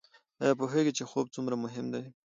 ایا پوهیږئ چې خوب څومره مهم دی؟